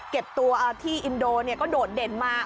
เก็บตัวที่อินโดก็โดดเด่นมา